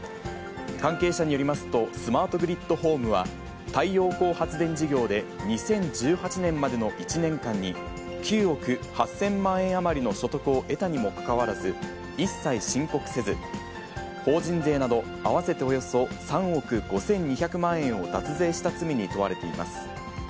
関係者によりますと、スマートグリッドホームは、太陽光発電事業で、２０１８年までの１年間に、９億８０００万円余りの所得を得たにもかかわらず、一切申告せず、法人税など合わせておよそ３億５２００万円を脱税した罪に問われています。